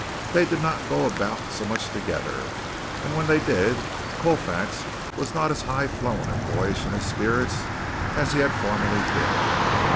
They did not go about so much together, and when they did Colfax was not as high flown and boyish in his spirits as he had formerly been.